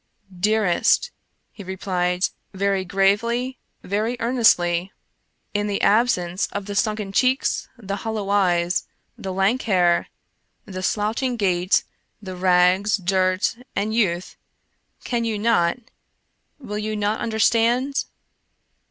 Dearest," he replied, very gravely, very earnestly, " in the absence of the sunken cheeks, the hollow eyes, the lank hair, the slouching gait, the rags, dirt, and youth, can you not — will you not understand?